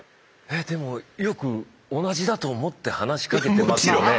えっでもよく同じだと思って話しかけてますよね。